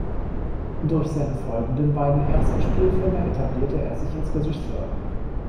Durch seine folgenden beiden ersten Spielfilme etablierte er sich als Regisseur.